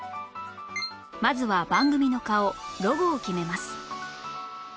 まずは番組の顔ロゴを決めます